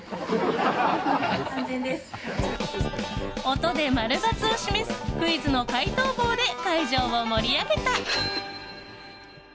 音で○×を示すクイズの解答棒で会場を盛り上げた。